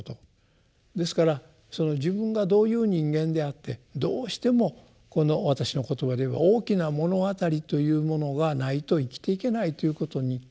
ですから自分がどういう人間であってどうしてもこの私の言葉で言えば大きな物語というものがないと生きていけないということに気付く。